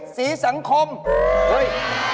สีสังคมเฮ้ย